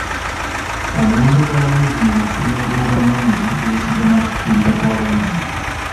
Omuwendo gw'abayizi mu masomero g'obwannannyini gwesigama ku kuyita kw'abayizi.